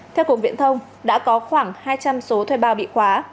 theo cục viện thông đã có khoảng hai trăm linh số thuê bao bị khóa